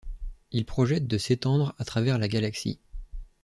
Ils projettent de s'étendre à travers la galaxie.